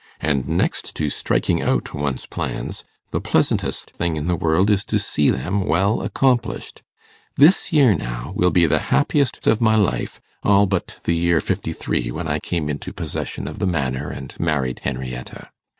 And next to striking out one's plans, the pleasantest thing in the world is to see them well accomplished. This year, now, will be the happiest of my life, all but the year '53, when I came into possession of the Manor, and married Henrietta.